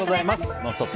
「ノンストップ！」